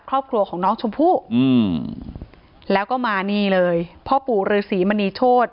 ครอบครัวของน้องชมพู่อืมแล้วก็มานี่เลยพ่อปู่ฤษีมณีโชธ